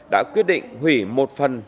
đã quyết định hủy một phần